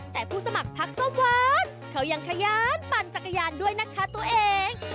แต่ผู้สมัครพักส้มหวานเขายังขยันปั่นจักรยานด้วยนะคะตัวเอง